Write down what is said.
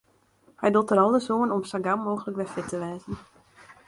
Hy docht der alles oan om sa gau mooglik wer fit te wêzen.